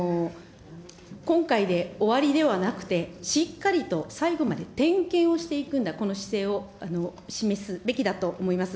今回で終わりではなくて、しっかりと最後まで点検をしていくんだ、この姿勢を、示すべきだと思います。